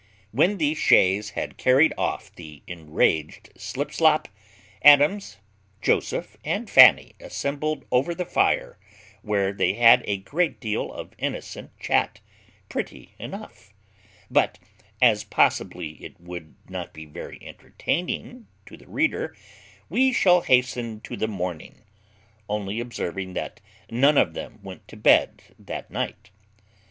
When the chaise had carried off the enraged Slipslop, Adams, Joseph, and Fanny assembled over the fire, where they had a great deal of innocent chat, pretty enough; but, as possibly it would not be very entertaining to the reader, we shall hasten to the morning; only observing that none of them went to bed that night.